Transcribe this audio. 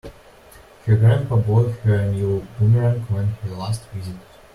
Her grandpa bought her a new boomerang when he last visited.